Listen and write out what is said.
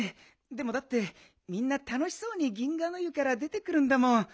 でもだってみんなたのしそうに銀河の湯から出てくるんだもん。